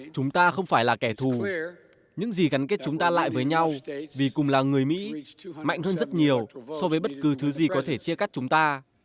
chúng ta không phải là kẻ thù những gì gắn kết chúng ta lại với nhau vì cùng là người mỹ mạnh hơn rất nhiều so với bất cứ thứ gì có thể chia cắt chúng ta